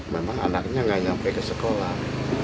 memang anaknya gak sampai ke sekolah